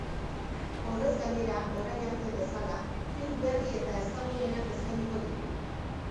Horrez gainera, orain arte bezala, film berri eta ezagunenak eskainiko ditu.